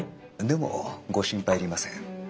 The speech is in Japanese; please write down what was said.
でもご心配いりません。